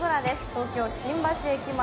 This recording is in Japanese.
東京・新橋駅前。